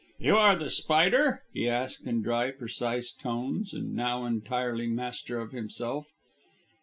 "You are The Spider?" he asked in dry, precise tones, and now entirely master of himself.